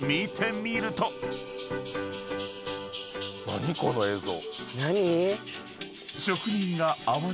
・何⁉この映像。